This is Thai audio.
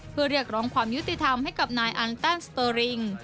เพื่อเรียกร้องความยุติธรรมให้กับนายอันตันสเตอริง